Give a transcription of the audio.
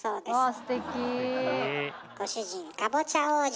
ご主人かぼちゃ王子。